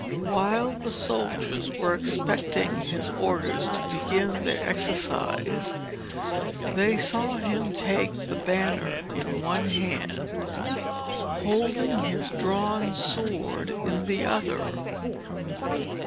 While the soldiers were expecting his orders to begin their exercise, they saw him take the banner in one hand, holding his drawn sword in the other.